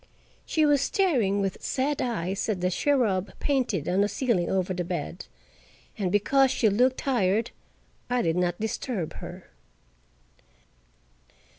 She was staring with sad eyes at the cherub painted on the ceiling over the bed, and because she looked tired I did not disturb her.